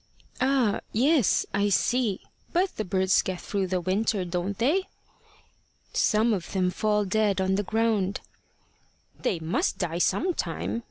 "Ah yes I see. But the birds get through the winter, don't they?" "Some of them fall dead on the ground." "They must die some time.